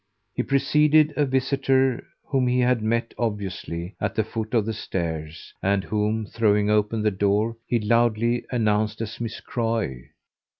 He preceded a visitor whom he had met, obviously, at the foot of the stairs and whom, throwing open the door, he loudly announced as Miss Croy.